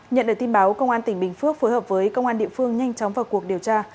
nhận được tin báo công an tỉnh bình phước phối hợp với công an địa phương nhanh chóng vào cuộc điều tra